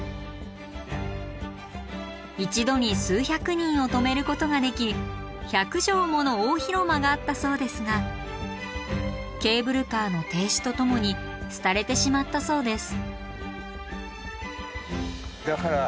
一度に数百人を泊めることができ百畳もの大広間があったそうですがケーブルカーの停止とともに廃れてしまったそうです。